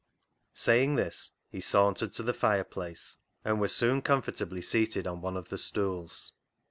Saying this he sauntered to the fireplace, and was soon comfortably seated on one of the stools.